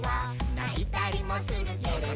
「ないたりもするけれど」